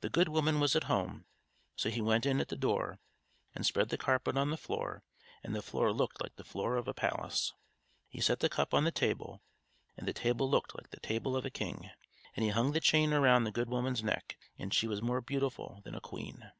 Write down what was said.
The good woman was at home, so he went in at the door and spread the carpet on the floor, and the floor looked like the floor of a palace. He set the cup on the table, and the table looked like the table of a king; and he hung the chain around the good woman's neck, and she was more beautiful than a queen.